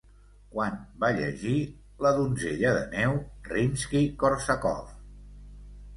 Quan va llegir La donzella de neu Rimski-Kórsakov?